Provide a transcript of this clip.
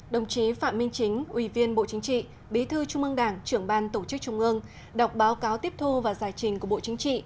đồng chí phạm minh chính ủy viên bộ chính trị bí thư trung ương đảng trưởng ban tổ chức trung ương đọc báo cáo tiếp thu và giải trình của bộ chính trị